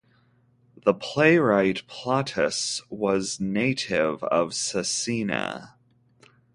The playwright Plautus was native of Sassina.